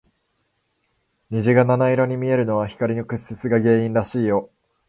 虹が七色に見えるのは、光の屈折が原因らしいよ。